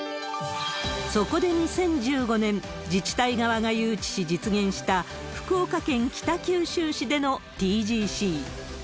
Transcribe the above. そこで２０１５年、自治体側が誘致し実現した福岡県北九州市でのＴＧＣ。